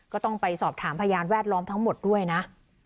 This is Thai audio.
ก็ต้องไปสอบถามพยานแวดล้อมทั้งหมดด้วยนะ